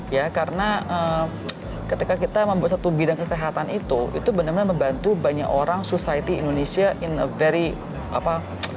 ya karena ketika kita membuat satu bidang kesehatan itu itu benar benar membantu banyak orang society indonesia in a very apa